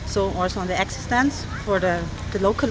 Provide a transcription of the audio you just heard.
dan juga pada kewujudan orang orang lokal